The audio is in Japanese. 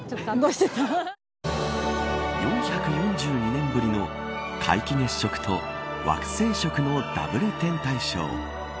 ４４２年ぶりの皆既月食と惑星食のダブル天体ショー。